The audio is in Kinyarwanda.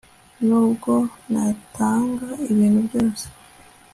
nubwo natanga ibintu byose